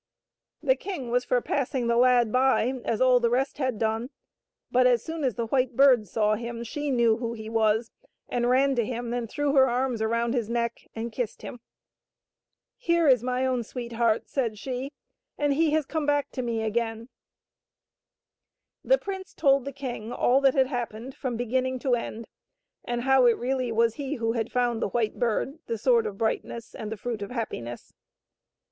The king was for passing the lad by as all the rest had done. But as soon as the White Bird saw him» she knew who he was and ran to him and threw her arms around his neck and kissed him. " Here is my own sweetheart," said she, " and he has come back to me again." The prince told the king all that had happened from beginning to end, and how it really was he who had found the White Bird, the Sword of Brightness, and the Fruit of Happiness.